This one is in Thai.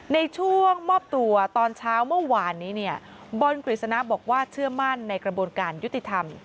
ในช่วงมอบตัวตอนเช้าเมื่อวานนี้เนี่ยบอลกฤษณะบอกว่าเชื่อมั่นในกระบวนการยุติธรรม